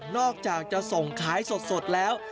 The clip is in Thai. อกจากจะส่งขายสดแล้ว